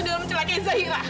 dengan mencelakai zahira